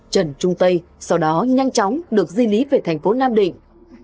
trần trung tây sau đó nhanh chóng được di lý về thành phố nam định